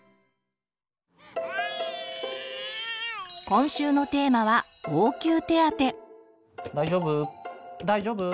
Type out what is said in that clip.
今週のテーマは大丈夫？